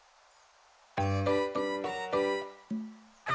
あ！